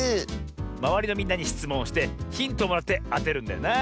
まわりのみんなにしつもんをしてヒントをもらってあてるんだよな。